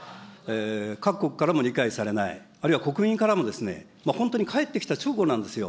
各国からも理解されない、あるいは国民からもですね、本当に帰ってきた直後なんですよ。